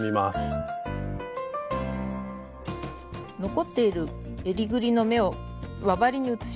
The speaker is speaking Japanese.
残っているえりぐりの目を輪針に移します。